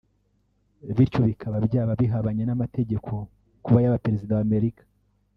bityo bikaba byaba bihabanye n’amategeko kuba yaba perezida wa Amerika